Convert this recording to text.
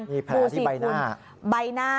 นี่แผลที่ใบหน้า